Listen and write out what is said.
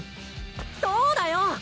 そうだよ！